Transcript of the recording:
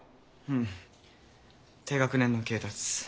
うん低学年の恵達。